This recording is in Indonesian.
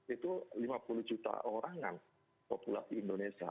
itu lima puluh juta orang kan populasi indonesia